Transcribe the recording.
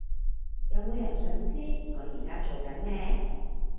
有冇人想知我而家做緊咩？